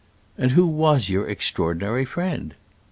" And who was your extraordinary friend?"